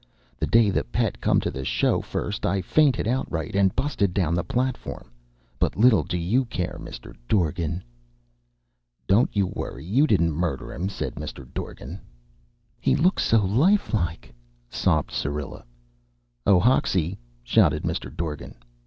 The day the Pet come to the show first I fainted outright and busted down the platform, but little do you care, Mr. Dorgan." "Don't you worry; you didn't murder him," said Mr. Dorgan. "He looks so lifelike!" sobbed Syrilla. "Oh, Hoxie!" shouted Mr. Dorgan.